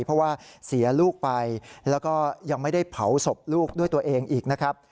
เพราะว่าเสียลูกไปแล้วก็ยังไม่ได้เผาศพลูกด้วยตัวเองอีกนะครับ